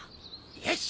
よし！